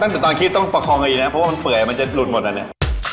ตั้งแต่ตอนคิดต้องประคองอีกนะครับเพราะว่ามันเปื่อยมันจะรุนหมดอันนี้